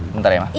bentar ya mas